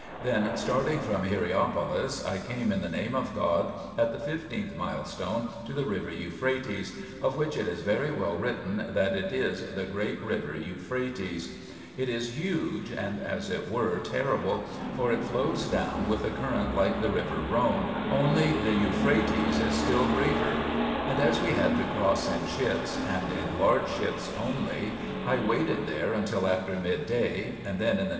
Then starting from lerapolis, 2 I came, in the Name of God, at the fifteenth milestone to the river Euphrates, of which it is very well written that it is the great river Euphrates*; it is huge and, as it were, terrible, for it flows down with a current like the river Rhone, only the Euphrates is still greater. And as we had to cross in ships, and in large ships only, I waited there until after midday, and then in the Name 1 /. e.